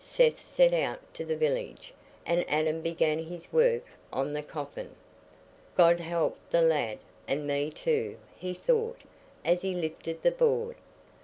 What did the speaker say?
Seth set out to the village, and Adam began his work on the coffin. "God help the lad, and me too," he thought, as he lifted the board.